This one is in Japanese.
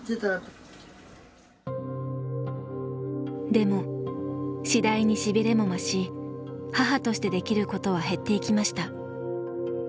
でも次第に痺れも増し母としてできることは減っていきました。